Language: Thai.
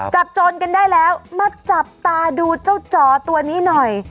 โจรกันได้แล้วมาจับตาดูเจ้าจ๋อตัวนี้หน่อย